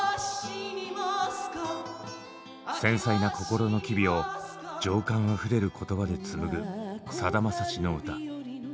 繊細な感情の機微を情感あふれる言葉で紡ぐさだまさしの歌。